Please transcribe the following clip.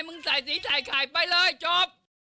มึงใส่สีใส่ไข่ไปเลยจบ